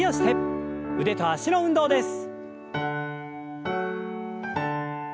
腕と脚の運動です。